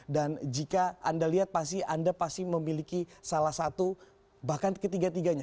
dan jika anda lihat anda pasti memiliki salah satu bahkan ketiga tiganya